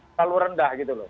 terlalu rendah gitu loh